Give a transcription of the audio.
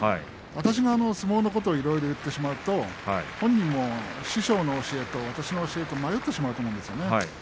私が相撲のことをいろいろ言ってしまうと本人も師匠の教えと私の教えと迷ってしまうと思うんですね。